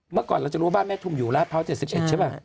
เมื่อก่อนเราจะรู้ว่าบ้านแม่ทุมอยู่ราชพร้าว๗๑ใช่ป่ะ